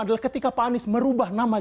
adalah ketika pak anies merubah nama